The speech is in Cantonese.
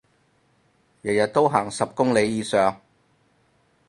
日日都行十公里以上